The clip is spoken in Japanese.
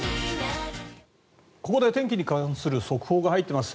ここで天気に関する速報が入ってきています。